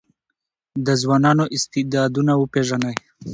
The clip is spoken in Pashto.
د ځوانانو استعدادونه وپېژنئ.